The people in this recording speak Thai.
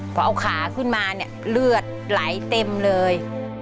พอเอาขาขึ้นมาเนี่ยเลือดไหลเต็มเลย